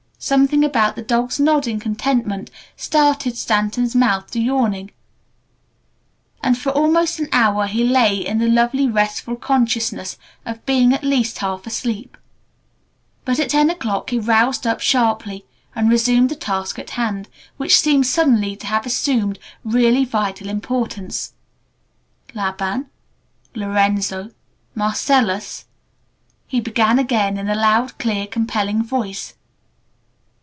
Something about the dog's nodding contentment started Stanton's mouth to yawning and for almost an hour he lay in the lovely, restful consciousness of being at least half asleep. But at ten o'clock he roused up sharply and resumed the task at hand, which seemed suddenly to have assumed really vital importance. "Laban Lorenzo Marcellus," he began again in a loud, clear, compelling voice.